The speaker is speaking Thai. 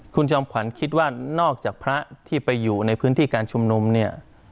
คุณจอมขวัญคิดว่านอกจากพระที่ไปอยู่ในพื้นที่การชุมนุมเนี่ย